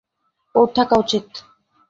ওর থাকা উচিত।